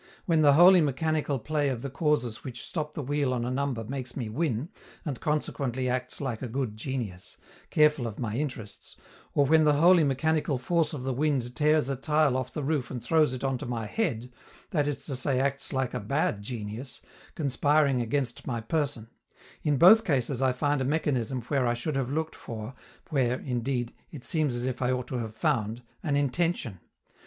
When the wholly mechanical play of the causes which stop the wheel on a number makes me win, and consequently acts like a good genius, careful of my interests, or when the wholly mechanical force of the wind tears a tile off the roof and throws it on to my head, that is to say acts like a bad genius, conspiring against my person: in both cases I find a mechanism where I should have looked for, where, indeed, it seems as if I ought to have found, an intention.